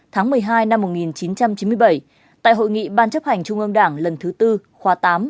tháng một mươi hai năm một nghìn chín trăm chín mươi bảy tại hội nghị ban chấp hành trung ương đảng lần thứ tư khóa tám